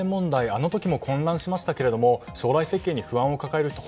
あの時も混乱しましたけれども将来設計に不安を抱える人